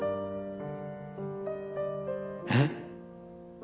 えっ？